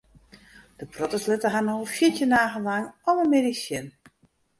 De protters litte har no al fjirtjin dagen lang alle middeis sjen.